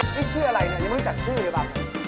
นี่ชื่ออะไรเนี่ยยังรู้จักชื่อเลยป่ะ